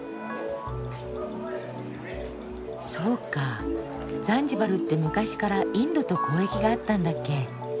そうかザンジバルって昔からインドと交易があったんだっけ。